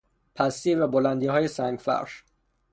پستی و بلندیهای سنگفرش